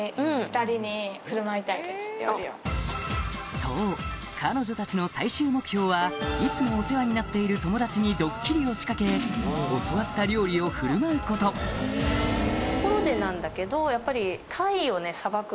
そう彼女たちのいつもお世話になっている友達にドッキリを仕掛け教わった料理を振る舞うことって言ってください。